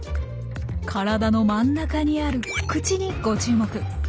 体の真ん中にある口にご注目。